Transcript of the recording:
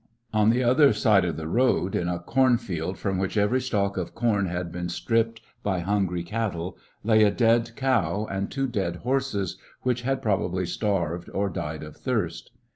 On the other side of the road, in a corn field from which every stalk of com had been stripped by hungry cattle, lay a dead cow and two dead horses, which had probably starved or died of thirst.